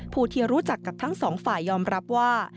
ผู้ที่รู้จักกับทั้งสองฝ่ายยอมรับว่า